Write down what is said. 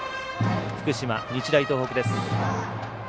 福島、日大東北です。